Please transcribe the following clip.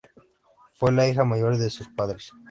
Fue la hija mayor de sus padres.